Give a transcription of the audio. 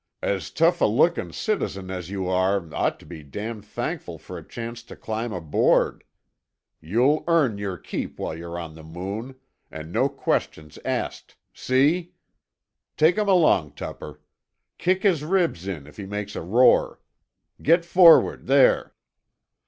As tough a lookin' citizen as you are ought t' be damn thankful for a chance t' climb aboard. You'll earn your keep while you're on the Moon—an' no questions asked. See? Take him along, Tupper. Kick his ribs in, if he makes a roar. Get forrad, there."